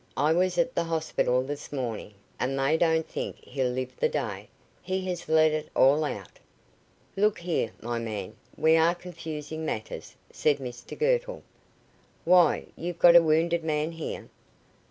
I was at the hospital this morning, and they don't think he'll live the day. He has let it all out." "Look here, my man, we are confusing matters," said Mr Girtle. "Why, you've got a wounded man here?"